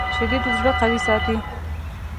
شیدې د زړه قوي ساتي